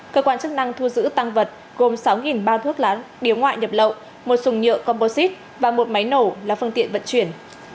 cơ quan chức năng thu giữ tăng vật gồm sáu bao thuốc lá điếu ngoại nhập lậu một sùng nhựa composite và một máy nổ là phương tiện vận chuyển